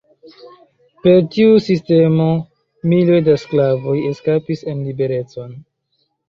Per tiu sistemo miloj da sklavoj eskapis en liberecon.